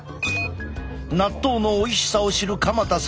納豆のおいしさを知る鎌田さん